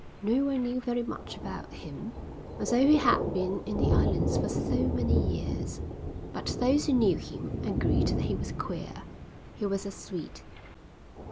No one knew very much about him, although he had been in the islands for so many years, but those who knew him agreed that he was queer. He was a Swede.